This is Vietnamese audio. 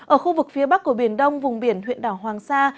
ở khu vực phía bắc của biển đông vùng biển huyện đảo hoàng sa